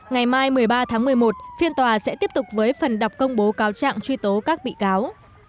ngày mai một mươi ba tháng một mươi một phiên tòa sẽ tiếp tục với phần đọc công bố cáo trạng truy tố các bị cáo